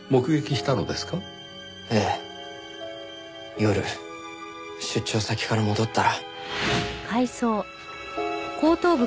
夜出張先から戻ったら。